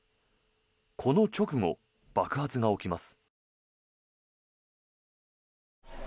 この直後、爆発が起きます。